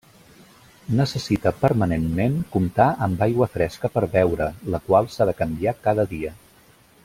Necessita permanentment comptar amb aigua fresca per beure, la qual s'ha de canviar cada dia.